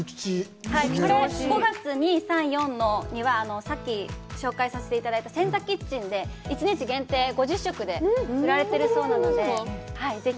これ５月２、３、４のさっき紹介させていただいたセンザキッチンで１日限定５０食で売られているそうなので、ぜひ。